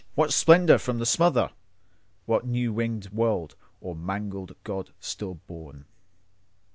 —What splendour from the smother? What new wing'd world, or mangled god still born?